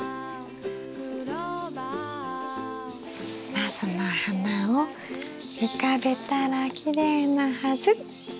ナスの花を浮かべたらきれいなはず。